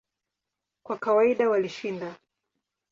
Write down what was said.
Kwa kawaida walishinda.